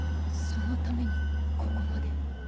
そのためにここまで